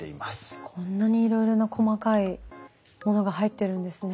こんなにいろいろな細かいものが入ってるんですね。